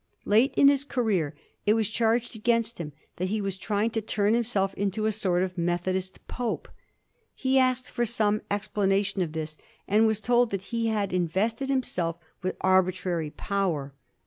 Late in his career it was charged against him that he was trying to turn himself into a sort of Methodist pope. He asked for some explanation of this, and was told that he had in vested himself with arbitrary power.